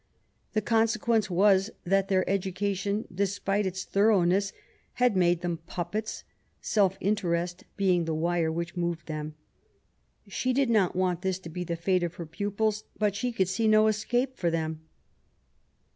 The consequence was that their education, despite its thoroughness, had made them puppets, self interest being the wire which moved them. She did not want this to be the fate of her pupils, but she could see no escape for them.